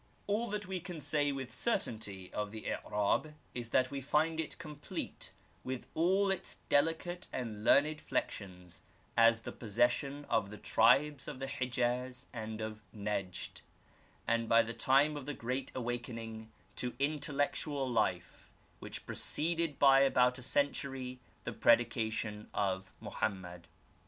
All that we can say with certainty of the i'rab is that we find it complete, with all its delicate and learned flexions, as the possession of the tribes of the Hejaz and of Nejd, at the time of the great awakening to intellectual life which preceded by about a century the predication of Mohammed.